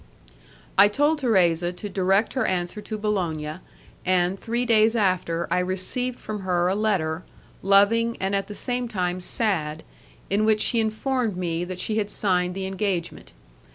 I told Thérèse to direct her answer to Bologna, and, three days after, I received from her a letter loving, and at the same time sad, in which she informed me that she had signed the engagement.